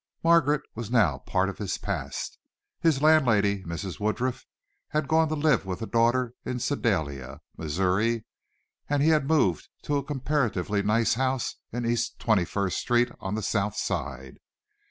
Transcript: Margaret was now a part of his past. His landlady, Mrs. Woodruff, had gone to live with a daughter in Sedalia, Missouri, and he had moved to a comparatively nice house in East Twenty first Street on the South Side.